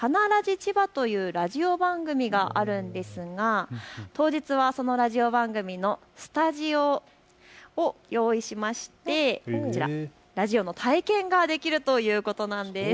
千葉というラジオ番組があるんですが当日はそのラジオ番組のスタジオを用意しましてこちらのラジオの体験ができるということなんです。